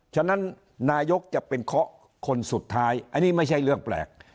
ฉะนั้นนายกจะเป็นเคาะคนสุดท้ายอันนี้ไม่ใช่เรื่องแปลก